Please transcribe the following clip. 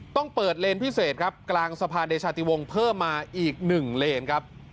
ต้องเปิดเลนพิเศษครับกลางสะพานเดชาติวงเพิ่มมาอีกหนึ่งเลนครับ